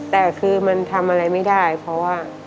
แต่คือมันทำอะไรไม่ได้เพราะว่า